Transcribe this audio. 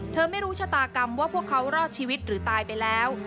ไม่รู้ชะตากรรมว่าพวกเขารอดชีวิตหรือตายไปแล้ว